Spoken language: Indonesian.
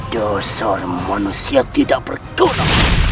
dosal manusia tidak berguna